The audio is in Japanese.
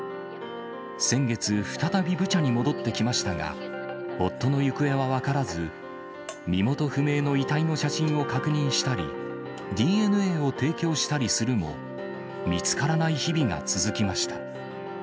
先月、再びブチャに戻ってきましたが、夫の行方は分からず、身元不明の遺体の写真を確認したり、ＤＮＡを提供したりするも、見つからない日々が続きました。